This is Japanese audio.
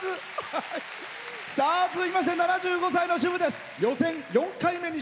続きまして７５歳の主婦です。